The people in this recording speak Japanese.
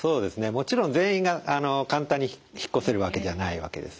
もちろん全員が簡単に引っ越せるわけじゃないわけです。